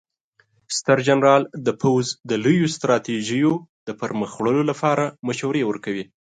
ستر جنرال د پوځ د لویو ستراتیژیو د پرمخ وړلو لپاره مشورې ورکوي.